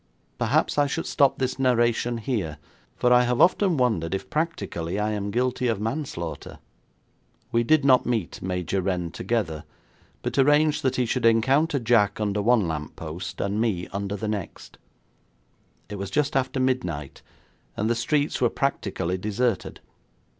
Perhaps I should stop this narration here, for I have often wondered if practically I am guilty of manslaughter. We did not meet Major Renn together, but arranged that he should encounter Jack under one lamp post, and me under the next. It was just after midnight, and the streets were practically deserted.